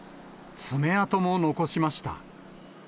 爪痕も残しました。